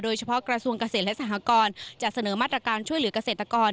กระทรวงเกษตรและสหกรจะเสนอมาตรการช่วยเหลือกเกษตรกร